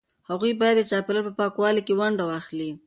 هغوی باید د چاپیریال په پاکوالي کې ونډه واخلي.